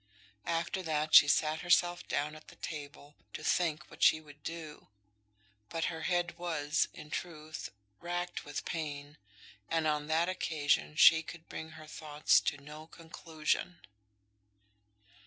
After that she sat herself down at the table to think what she would do; but her head was, in truth, racked with pain, and on that occasion she could bring her thoughts to no conclusion.